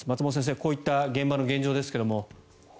こういった現場の現状ですが。